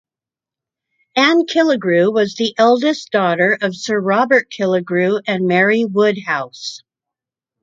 Anne Killigrew was the eldest daughter of Sir Robert Killigrew and Mary Woodhouse.